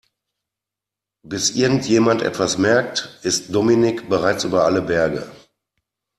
Bis irgendjemand etwas merkt, ist Dominik bereits über alle Berge.